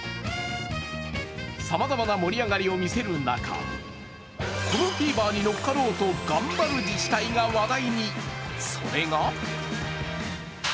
さまざまな盛り上がりを見せる中、このフィーバーに乗っかろうと頑張る自治体が話題に。